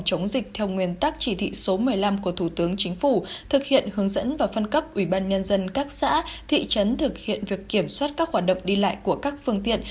chống dịch theo nguyên tắc chỉ thị số một mươi năm của thủ tướng chính phủ thực hiện hướng dẫn và phân cấp ủy ban nhân dân các xã thị trấn thực hiện việc kiểm soát các hoạt động đi lại của các phương tiện